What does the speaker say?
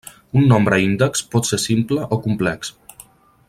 Un nombre índex pot ser simple o complex.